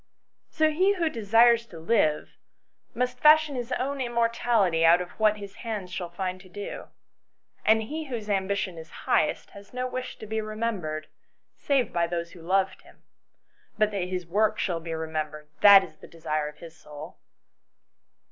So he who desires to live must fashion his own immortality out of what his hands shall find to do. And he whose ambition is highest has no wish to be remembered, save by those who loved him ; but that his work shall be remembered, that is the desire of his soul."